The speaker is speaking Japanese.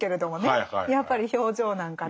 やっぱり表情なんかで。